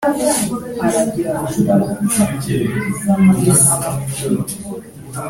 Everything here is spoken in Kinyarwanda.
naraziraguye ndagurira benginzage nyagakecuru